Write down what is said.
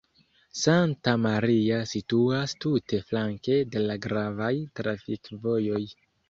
Santa Maria situas tute flanke de la gravaj trafikvojoj.